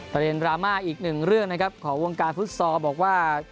เมื่อเล่นรามาอีกหนึ่งเรื่องนะครับขอวงการฟุตสอบอกว่า